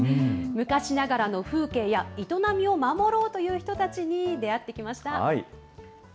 昔ながらの風景や営みを守ろうという人たちに出会ってきました。